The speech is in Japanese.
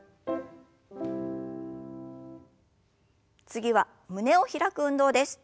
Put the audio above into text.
次は胸を開く運動です。